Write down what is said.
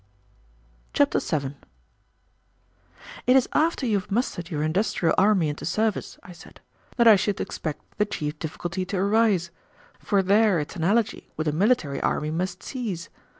Chapter 7 "It is after you have mustered your industrial army into service," I said, "that I should expect the chief difficulty to arise, for there its analogy with a military army must cease.